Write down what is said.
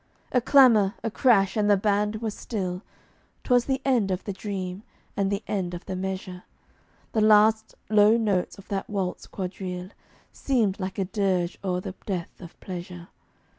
A clamor, a crash, and the band was still; 'Twas the end of the dream, and the end of the measure: The last low notes of that waltz quadrille Seemed like a dirge o'er the death of Pleasure.